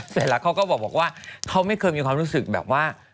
เสร็จแล้วเขาก็บอกว่าเขาไม่เคยมีความรู้สึกแบบว่า